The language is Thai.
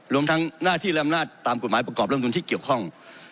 รวมทั้งหน้าที่และอำนาจตามกฎหมายประกอบรำนุนที่เกี่ยวข้อง